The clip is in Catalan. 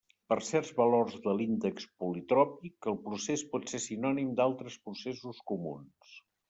Per certs valors de l'índex politròpic, el procés pot ser sinònim d'altres processos comuns.